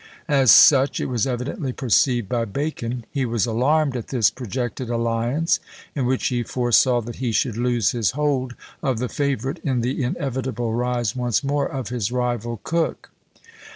As such it was evidently perceived by Bacon; he was alarmed at this projected alliance, in which he foresaw that he should lose his hold of the favourite in the inevitable rise once more of his rival Coke.